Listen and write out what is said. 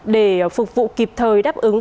để phục vụ kịp thời đáp ứng